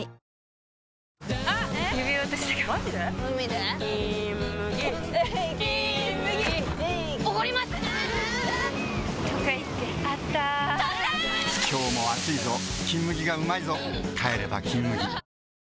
今日も暑いぞ「金麦」がうまいぞ帰れば「金麦」